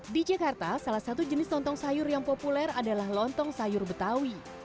di jakarta salah satu jenis lontong sayur yang populer adalah lontong sayur betawi